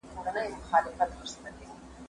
زه بايد وخت تېرووم،